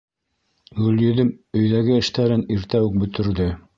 Гөлйөҙөм өйҙәге эштәрен иртә үк бөтөрҙө.